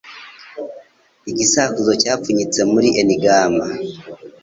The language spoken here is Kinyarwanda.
Igisakuzo cyapfunyitse muri enigama